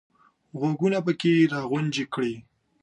د غوږونو پکې یې را غونجې کړې !